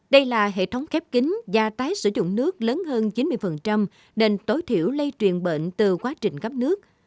đây là hệ thống khép kính và tái sử dụng nước lớn hơn chín mươi nên tối thiểu lây truyền bệnh từ quá trình cấp nước